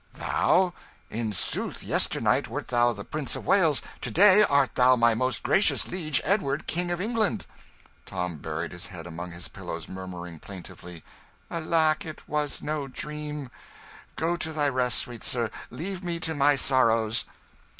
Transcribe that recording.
"Thou? In sooth, yesternight wert thou the Prince of Wales; to day art thou my most gracious liege, Edward, King of England." Tom buried his head among his pillows, murmuring plaintively "Alack, it was no dream! Go to thy rest, sweet sir leave me to my sorrows."